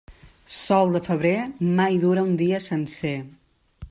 Sol de febrer, mai dura un dia sencer.